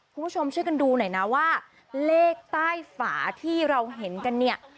คุณผู้ชมช่วยกันดูหน่อยนะว่าเลขใต้ฝาที่เราเห็นกันเนี่ย